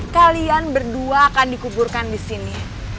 kalian berdua akan dikuburkan disini